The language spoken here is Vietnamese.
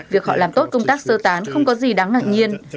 việc họ làm tốt công tác sơ tán không có gì đáng ngạc nhiên